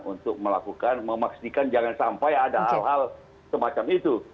untuk melakukan memastikan jangan sampai ada hal hal semacam itu